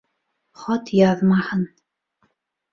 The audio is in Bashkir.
Хат яҙмаһын.